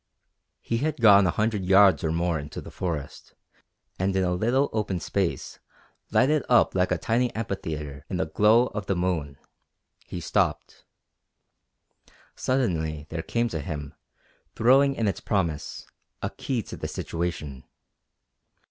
He had gone a hundred yards or more into the forest, and in a little open space, lighted up like a tiny amphitheatre in the glow of the moon, he stopped. Suddenly there came to him, thrilling in its promise, a key to the situation.